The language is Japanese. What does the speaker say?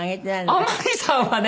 天海さんはね